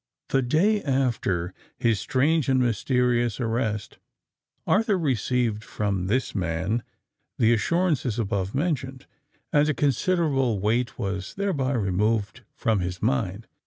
The day after his strange and mysterious arrest, Arthur received from this man the assurances above mentioned; and a considerable weight was thereby removed from his mind.